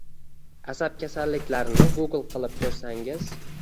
Asab kasalliklarini google qilib ko’rsangiz